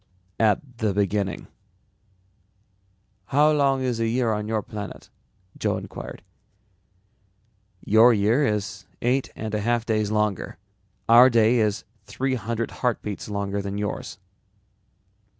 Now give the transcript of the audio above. "At the beginning." "How long is a year on your planet?" Joe inquired. "Your year is eight and a half days longer. Our day is three hundred heartbeats longer than yours."